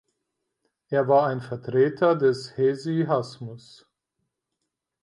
Er war ein Vertreter des Hesychasmus.